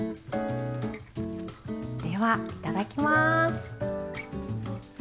ではいただきます！